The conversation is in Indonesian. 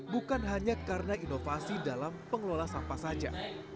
bukan hanya karena inovasi dalam pengelola sampah saja